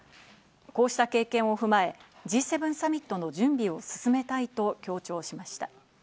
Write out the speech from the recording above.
こうした経験を踏まえ、Ｇ７サミットの準備を進めたいと強調しました。